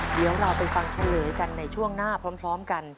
เดี๋ยวเราไปฟังเฉลยกันในช่วงหน้าพร้อมกัน